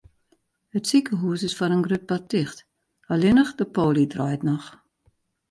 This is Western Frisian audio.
It sikehûs is foar in grut part ticht, allinnich de poly draait noch.